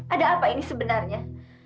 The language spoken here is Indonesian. ada apa ini sebenarnya